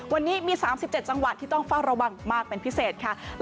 วันนี้มี๓๗จังหวัดที่ต้องเฝ้าระวังมากเป็นพิเศษค่ะ